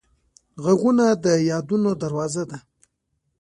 غږونه د یادونو دروازه ده